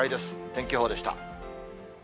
天気予報でした。